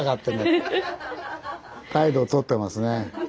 態度をとってますね。